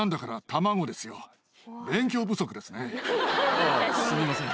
あぁすみません。